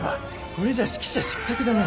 これじゃ指揮者失格だな。